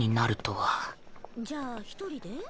じゃあ１人で？